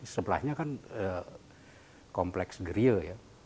sebelahnya kan kompleks geril ya